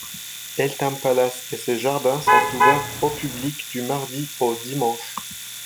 Eltham Palace et ses jardins sont ouverts au public du mardi au dimanche.